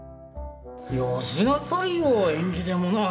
よしなさいよ縁起でもない。